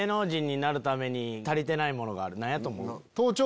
僕⁉何やと思う？